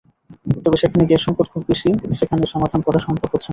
তবে যেখানে গ্যাস-সংকট খুব বেশি, সেখানে সমাধান করা সম্ভব হচ্ছে না।